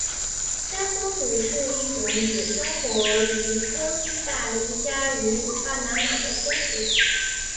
山松鼠是一种只生活于哥斯大黎加与巴拿马的松鼠。